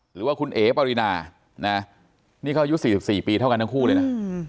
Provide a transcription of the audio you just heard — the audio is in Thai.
หรือว่าคุณเอ๋ปรินานะนี่เขาอายุ๔๔ปีเท่ากันทั้งคู่เลยนะ